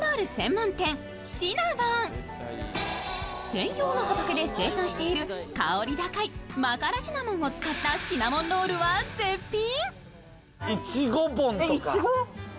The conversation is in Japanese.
専用の畑で生産している香り高いマカラシナモンを使ったシナモンロールは絶品。